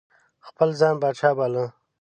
خپل ځان پاچا باله.